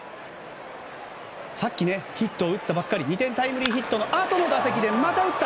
さっきヒットを打ったばっかり２点タイムリーヒットのあとの打席でまた打った！